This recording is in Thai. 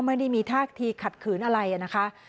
ไม่ได้มีท่าทีขัดขืนอะไรนะคะ